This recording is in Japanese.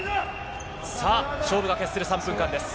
さあ、勝負が決する３分間です。